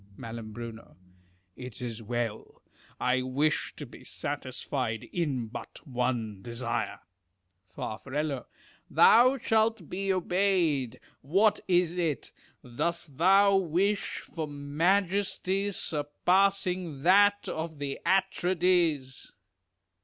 Mai. It is well. I wish to be satisfied in but one desire. Far. Thou shalt be obeyed. What is it ? Dost thou wish for majesty surpassing that of the Atrides ?